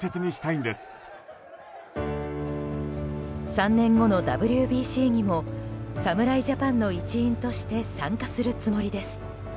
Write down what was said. ３年後のＷＢＣにも侍ジャパンの一員として参加するつもりです。